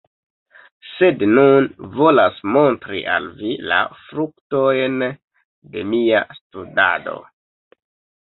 Sed nun volas montri al vi la fruktojn de mia studado.